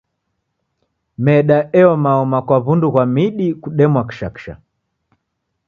Meda eomaoma kwa w'undu ghwa midi kudemwa kishakisha.